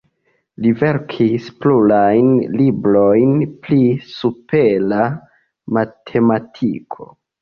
Li verkis plurajn librojn pri supera matematiko.